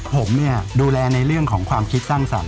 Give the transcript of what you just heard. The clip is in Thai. ผมเนี่ยดูแลในเรื่องของความคิดสร้างสรรค